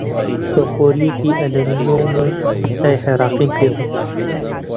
من قۆرییەکی ئەلمۆنیۆم و چای عێراقیم پێ بوو